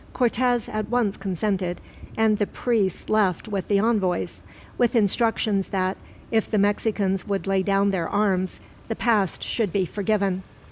Cortez at once consented, and the priests left with the envoys; with instructions that, if the Mexicans would lay down their arms, the past should be forgiven.